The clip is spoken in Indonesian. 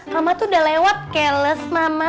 mama tuh udah lewat challes mama